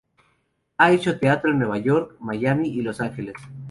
Ha hecho teatro en New York, Miami y Los Ángeles.